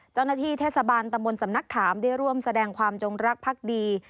เจ้าหน้าที่เทศบาลตำบลสำนักขามได้ร่วมแสดงความจงรักภักดี